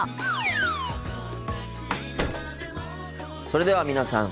それでは皆さん